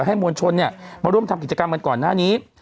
มวลชนมาร่วมทำกิจกรรมกันก่อนหน้านี้